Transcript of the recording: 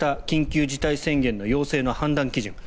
緊急事態宣言の要請の判断基準。